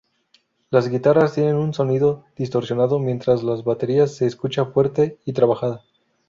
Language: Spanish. Las guitarras tienen un sonido distorsionado, mientras la batería se escucha fuerte y trabajada.